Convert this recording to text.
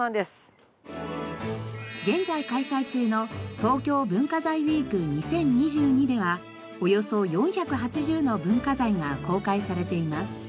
現在開催中の「東京文化財ウィーク２０２２」ではおよそ４８０の文化財が公開されています。